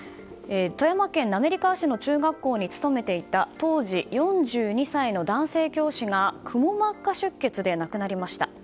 富山県滑川市の中学校に勤めていた当時４２歳の男性教師がくも膜下出血で亡くなりました。